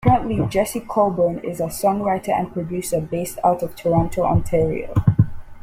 Currently Jesse Colburn is a songwriter and producer based out of Toronto, Ontario.